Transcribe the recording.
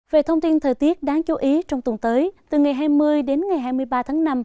về thông tin thời tiết đáng chú ý trong tuần tới từ ngày hai mươi đến ngày hai mươi ba tháng năm